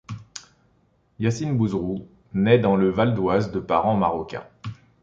Yassine Bouzrou naît dans le Val d'Oise de parents marocains.